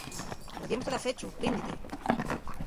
Arrodiémoste dafechu, ¡ríndite!